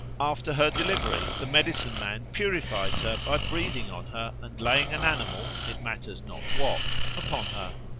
After her delivery the medicine man purifies her by breathing on her and laying an animal, it matters not what, upon her.